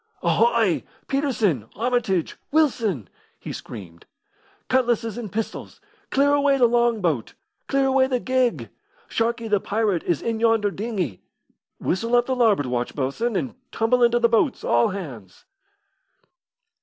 "Ahoy! Peterson, Armitage, Wilson!" he screamed. "Cutlasses and pistols! Clear away the long boat! Clear away the gig! Sharkey, the pirate, is in yonder dinghy. Whistle up the larboard watch, bo'sun, and tumble into the boats, all hands."